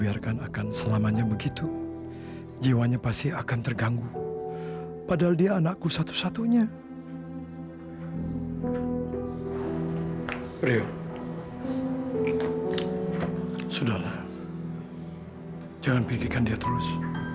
jangan pikirkan dia terus